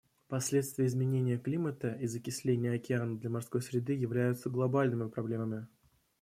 Последствия изменения климата и закисления океана для морской среды являются глобальными проблемами.